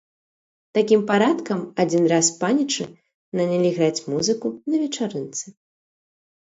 Такім парадкам адзін раз панічы нанялі граць музыку на вечарынцы.